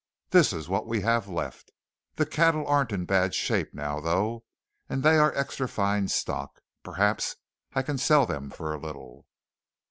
This is what we have left. The cattle aren't in bad shape now though; and they are extra fine stock. Perhaps I can sell them for a little."